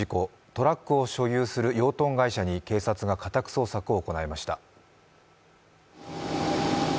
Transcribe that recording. トラックを所有する養豚会社に警察が家宅捜索を行いました。